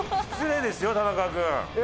失礼ですよ田中君。